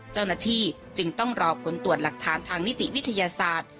เจ้าหน้าที่จึงต้องรอผลตรวจหลักฐานทางนิติวิทยาศาสตร์